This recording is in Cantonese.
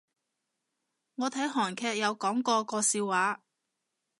我睇韓劇有講過個笑話